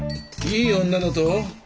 いい女だと？